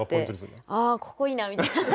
こうやってああここいいなみたいな。